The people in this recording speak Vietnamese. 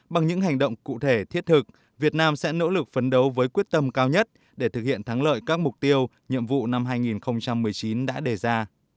bằng những hành động cụ thể thiết thực việt nam sẽ nỗ lực phấn đấu với quyết tâm cao nhất để thực hiện thắng lợi các mục tiêu nhiệm vụ năm hai nghìn một mươi chín đã đề ra